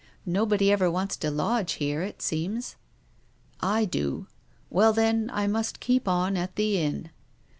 " Nobody ever wants to lodge here, it seems." " I do. Well, then, I must keep on at the inn."